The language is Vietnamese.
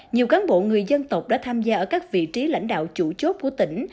nhiều cán bộ người dân tộc đã tham gia ở các vị trí lãnh đạo chủ chốt của tỉnh